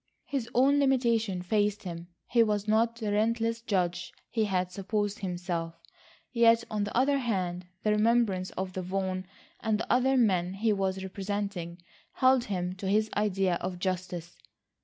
His own limitations faced him. He was not the relentless judge he had supposed himself. Yet on the other hand, the remembrance of Vaughan and the other men he was representing held him to his idea of justice.